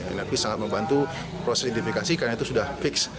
inap sangat membantu proses identifikasi karena itu sudah fix